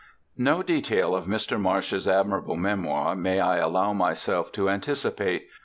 III No detail of Mr Marsh's admirable memoir may I allow myself to anticipate.